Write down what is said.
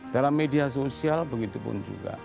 dalam media sosial begitu pun juga